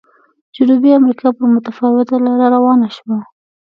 جنوبي امریکا پر متفاوته لار روانه شوه.